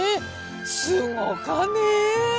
すごかねえ。